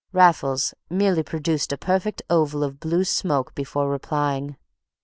Raffles merely produced a perfect oval of blue smoke before replying.